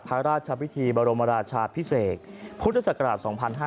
พระราชพิธีบรมราชาพิเศษพุทธศักราช๒๕๕๙